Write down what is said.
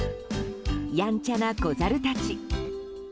やんちゃな子ザルたち。